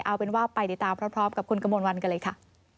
เอาเป็นว่าไปติดตามพร้อมกับคุณกระมวลวันกันเลยค่ะ